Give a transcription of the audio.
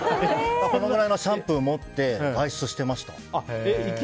このくらいのシャンプー持って外出してました。